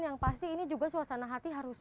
yang pasti ini juga suasana hati harus